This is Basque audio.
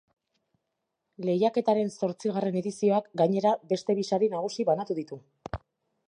Lehiaketaren zortzigarren edizioak, gainera, beste bi sari nagusi banatu ditu.